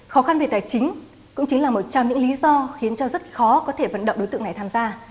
khó khăn về tài chính cũng chính là một trong những lý do khiến cho rất khó có thể vận động đối tượng này tham gia